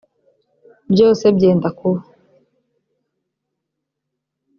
byose byenda kuba